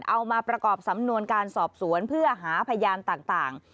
เอามาประกอบสำนวนการสอบสวนเพื่อหาพยานต่าง